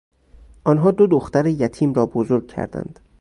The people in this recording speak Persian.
آنها دو دختر یتیم را بزرگ کردند.